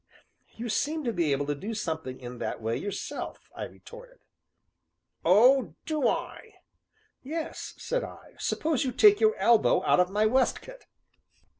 "You seem to be able to do something in that way yourself," I retorted. "Oh do I?" "Yes," said I; "suppose you take your elbow out of my waistcoat."